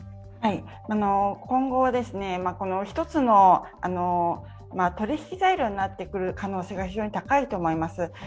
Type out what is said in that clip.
今後は一つの取引材料になってくる可能性が非常に高いと思います。